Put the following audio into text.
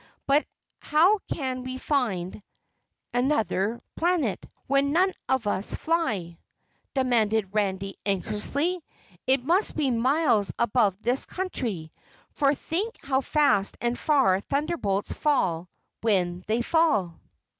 "But how can we find Anuther Planet when none of us fly?" demanded Randy anxiously. "It must be miles above this country, for think how fast and far thunderbolts fall when they fall."